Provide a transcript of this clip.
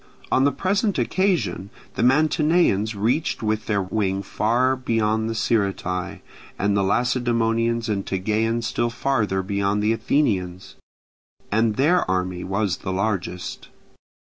On the present occasion the Mantineans reached with their wing far beyond the Sciritae, and the Lacedaemonians and Tegeans still farther beyond the Athenians, as their army was the largest.